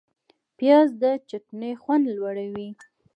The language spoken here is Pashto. پیاز د چټني خوند لوړوي